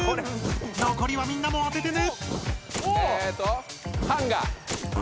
残りはみんなもあててね！